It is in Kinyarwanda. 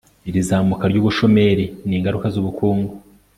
iri zamuka ry'ubushomeri ni ingaruka z'ubukungu